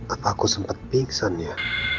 apa aku sempat pingsan ya